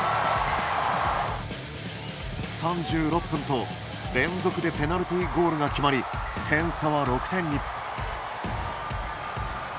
３６分と連続でペナルティゴールが決まり点差は６点に。